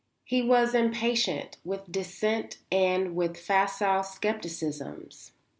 He was impatient with dissent and with facile scepticisms.